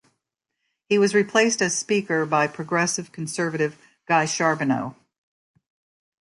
He was replaced as Speaker by Progressive Conservative Guy Charbonneau.